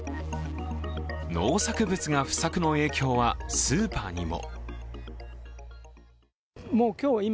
農作物が不作の影響はスーパーにも。